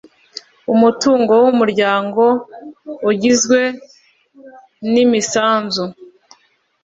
Umutungo w umuryango ugizwe n imisanzu